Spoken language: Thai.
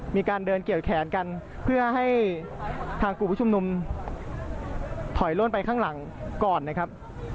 มีการเดินเกี่ยวแขนกันเพื่อให้ทางกลุ่มผู้ชุมนุมถอยล่นไปข้างหลังก่อนนะครับ